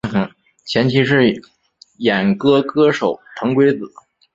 前妻是演歌歌手藤圭子。